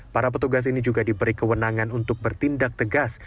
para petugas ini juga diberi kewenangan untuk bertindak tegas